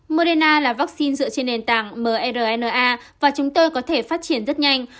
moderna là vaccine dựa trên nền tảng mrna và chúng tôi có thể phát triển rất nhanh